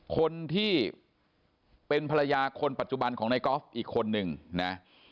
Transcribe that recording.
คนที่เป็นภรรยาคนปัจจุบันของในกอล์ฟอีกคนนึงนะ